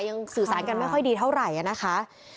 ยังสื่อสารกันไม่ค่อยดีเท่าไหร่นะคะ